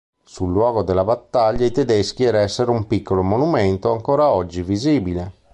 Sul luogo della battaglia i tedeschi eressero un piccolo monumento ancora oggi visibile.